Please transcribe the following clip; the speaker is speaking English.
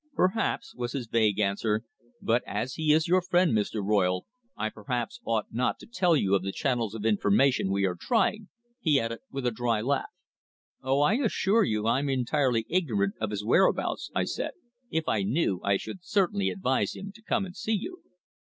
"Perhaps," was his vague answer. "But as he is your friend, Mr. Royle, I perhaps ought not to tell you of the channels of information we are trying," he added, with a dry laugh. "Oh, I assure you I'm entirely ignorant of his whereabouts," I said. "If I knew, I should certainly advise him to come and see you."